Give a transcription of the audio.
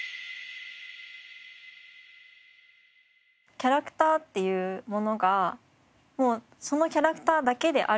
キャラクターっていうものがもうそのキャラクターだけであるように。